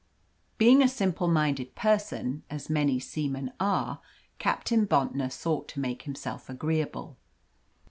Being a simple minded person, as many seamen are, Captain Bontnor sought to make himself agreeable.